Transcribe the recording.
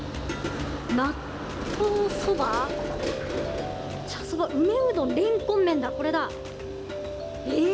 納豆そば、茶そば梅うどん、れんこん麺だ、これだ。